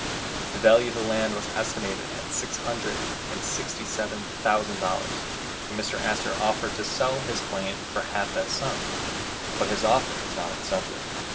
The value of the land was estimated at six hundred and sixty seven thousand dollars, and Mr. Astor offered to sell his claim for half that sum, but his offer was not accepted.